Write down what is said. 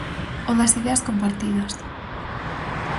O das ideas compartidas.